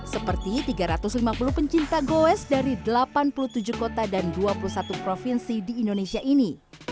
seperti tiga ratus lima puluh pencinta goes dari delapan puluh tujuh kota dan dua puluh satu provinsi di indonesia ini